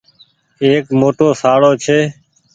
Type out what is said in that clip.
ايڪ موٽو شاڙو ڇي۔